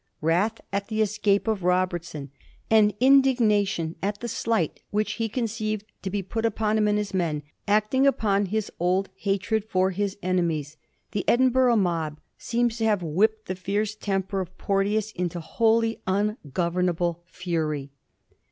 Wrath at the escape of Robertson, and indignation at the slight which he conceived to be put upon him and his men, act ing upon his old hatred for his enemies, the Edinburgh mob, seems to have whipped the fierce temper of Porte ous into wholly ungovernable fury.